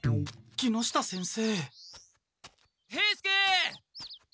木下先生？